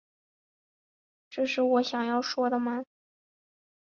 这是我想要说的吗